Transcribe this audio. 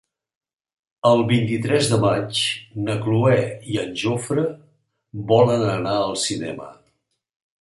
El vint-i-tres de maig na Cloè i en Jofre volen anar al cinema.